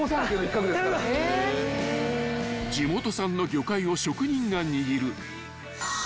［地元産の魚介を職人が握る］